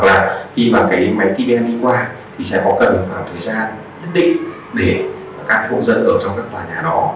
thật là khi mà cái máy tbm đi qua thì sẽ có cần khoảng thời gian nhất định để các hộ dân ở trong các tòa nhà đó